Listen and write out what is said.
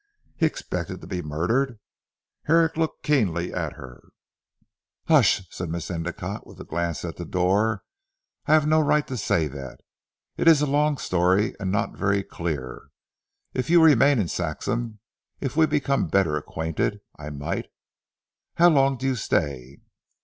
"He expected to be murdered!" Herrick looked keenly at her. "Hush," said Miss Endicotte with a glance at the door. "I have no right to say that. It is a long story, and not very clear. If you remain in Saxham, if we become better acquainted, I might how long do you stay?"